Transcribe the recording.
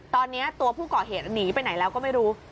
ตอนนี้ตัวผู้ก่อเหตุหนีไปไหนแล้วก็ไม่รู้